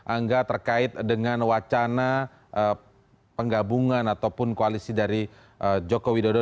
angga terkait dengan wacana penggabungan ataupun koalisi dari joko widodo